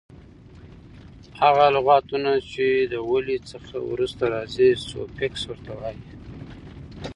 هغه لغتونه چي د ولي څخه وروسته راځي؛ سوفیکس ور ته وایي.